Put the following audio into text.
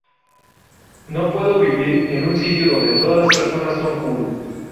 No puedo vivir en un sitio donde todas las personas son cool.